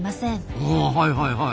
あはいはいはい。